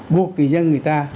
buộc người dân người ta